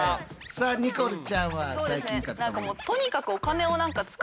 さあニコルちゃんは最近買ったもの？